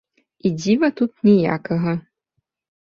І дзіва тут ніякага.